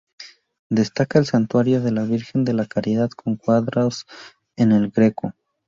Destaca el santuario de la Virgen de la Caridad con cuadros de El Greco.